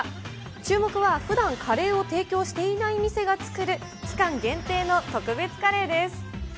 注目は、ふだんカレーを提供していない店が作る期間限定の特別カレーです。